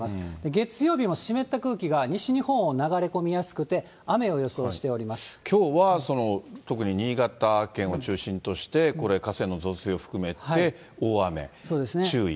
月曜日も湿った空気を西日本に流れ込みやすくて、雨を予想していきょうは特に新潟県を中心として、これ、河川の増水を含めて大雨注意。